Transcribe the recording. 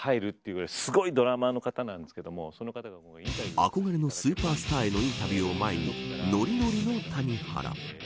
憧れのスーパースターへのインタビューを前にのりのりな谷原。